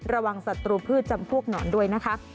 สัตรูพืชจำพวกหนอนด้วยนะคะ